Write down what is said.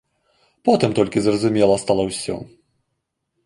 Потым толькі зразумела стала ўсё.